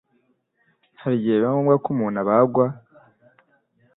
hari igihe biba ngombwa ko umuntu abagwa